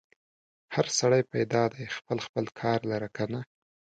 هر سړی پیدا دی خپل خپل کار لره کنه.